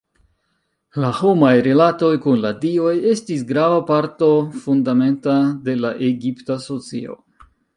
La homaj rilatoj kun la dioj estis grava parto fundamenta de la egipta socio.